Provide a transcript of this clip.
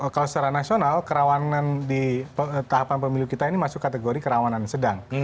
kalau secara nasional kerawanan di tahapan pemilu kita ini masuk kategori kerawanan sedang